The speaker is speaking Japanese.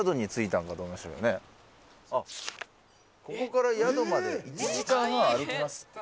ここから宿まで１時間半歩きますって。